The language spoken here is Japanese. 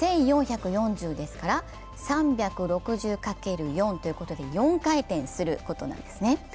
１４４０ですから、３６０×４ということで４回転することなんですね。